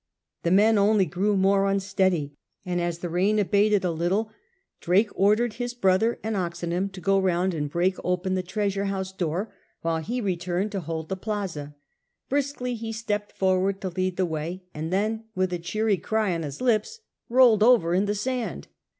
The men only grew more unsteady ; and as the rain abated a little Drake ordered his brother and Oxenham to go round and break open the treasure II A GLORIOUS FAILURE 39 house door ^hile he returned to hold the Plaza. Briskly he stepped forward to lead the way, and then with a cheery cry on his lips rolled over in the sand.